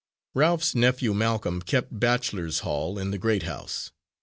Ralph's nephew Malcolm kept bachelor's hall in the great house.